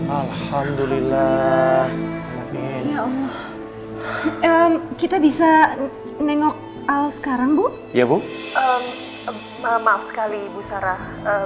alhamdulillah kita bisa nengok al sekarang bu ya bu maaf sekali bu sarah